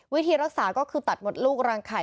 วิธีรักษาก็คือตัดมดลูกรังไข่